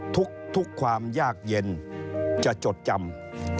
ทุกความยากเย็นจะจดจำ